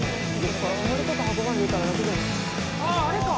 あああれか！